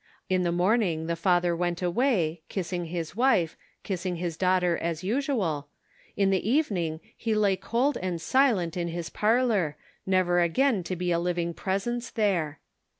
In the morning the father went awa} , kissing his wife, kissing his daughter as usual — in the evening he lay cold and silent in his parlor, never again to be a living presence there